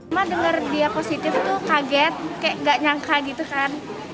mah dengar dia positif tuh kaget kayak gak nyangka gitu kan